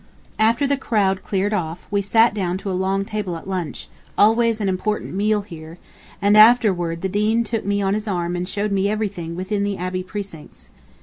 After the crowd cleared off, we sat down to a long table at lunch, always an important meal here, and afterward the Dean took me on his arm and showed me everything within the Abbey precincts.